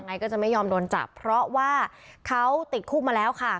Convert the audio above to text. ก็จะไม่ยอมโดนจับเพราะว่าเขาติดคุกมาแล้วค่ะ